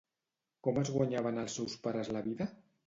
Com es guanyaven els seus pares la vida?